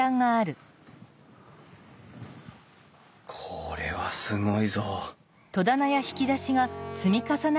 これはすごいぞ！